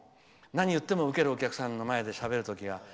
何を言ってもウケるお客さんの前でしゃべるときが。